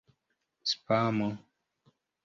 spamo